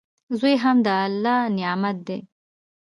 زوی هم د الله نعمت دئ.